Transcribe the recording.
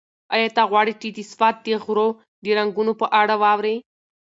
ایا ته غواړې چې د سوات د غرو د رنګونو په اړه واورې؟